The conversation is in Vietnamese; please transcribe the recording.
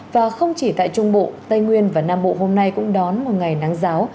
và không chỉ tại trung bộ tây nguyên và nam bộ hôm nay cũng đón một ngày nắng giáo